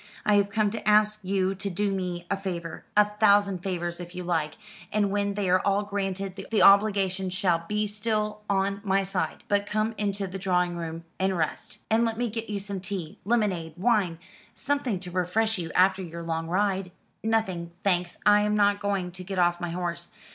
I have come to ask you to do me a favour." "A thousand favours if you like; and when they are all granted, the obligation shall be still on my side. But come into the drawing room and rest and let me get you some tea lemonade wine something to refresh you after your long ride." "Nothing, thanks. I am not going to get off my horse.